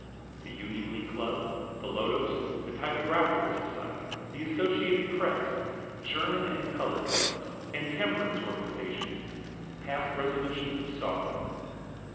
The Union League Club, the Lotos, the Typographical Society, the Associated Press, German and colored clubs, and temperance organizations passed resolutions of sorrow.